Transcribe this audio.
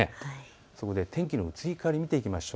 そこで天気の移り変わりを見ていきましょう。